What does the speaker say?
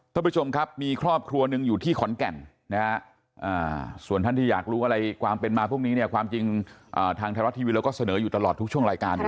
ท่านผู้ชมครับมีครอบครัวหนึ่งอยู่ที่ขอนแก่นนะฮะส่วนท่านที่อยากรู้อะไรความเป็นมาพวกนี้เนี่ยความจริงทางไทยรัฐทีวีเราก็เสนออยู่ตลอดทุกช่วงรายการ